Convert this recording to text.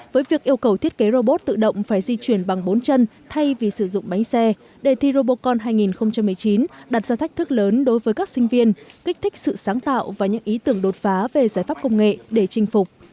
với việc yêu cầu thiết kế robot tự động phải di chuyển bằng bốn chân thay vì sử dụng bánh xe đề thi robocon hai nghìn một mươi chín đặt ra thách thức lớn đối với các sinh viên kích thích sự sáng tạo và những ý tưởng đột phá về giải pháp công nghệ để chinh phục